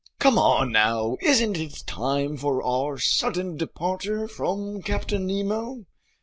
Come on now, isn't it time for our sudden departure from Captain Nemo?"